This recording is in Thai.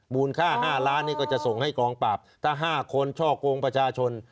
ค่า๕ล้านนี่ก็จะส่งให้กองปราบถ้า๕คนช่อกงประชาชน